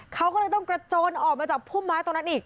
เขาก็เลยต้องกระโจนออกมาจากพุ่มไม้ตรงนั้นอีก